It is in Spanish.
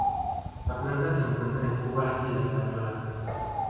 La planta se encuentra en Cuba y La Española.